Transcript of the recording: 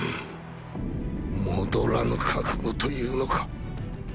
戻らぬ覚悟というのか。